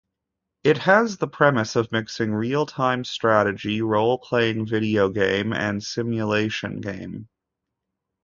It has the premise of mixing real-time strategy, role-playing video game and simulation game.